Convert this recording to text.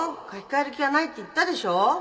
書き換える気はないって言ったでしょ。